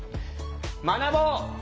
学ぼう！